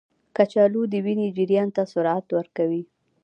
کچالو د وینې جریان ته سرعت ورکوي.